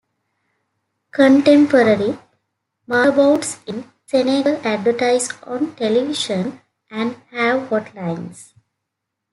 Contemporary marabouts in Senegal advertise on television and have hot lines.